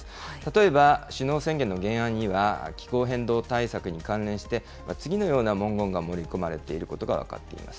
例えば首脳宣言の原案には、気候変動対策に関連して、次のような文言が盛り込まれていることが分かっています。